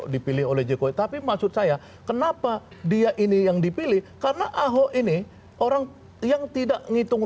dipilih oleh jokowi tapi maksud saya kenapa dia ini yang dipilih karena ahok ini orang yang tidak ngitung